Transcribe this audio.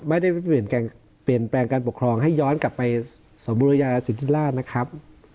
ไม่ได้เปลี่ยนแปลงเปลี่ยนแปลงการปกครองให้ย้อนกลับไปสมบูรยาสิทธิราชนะครับ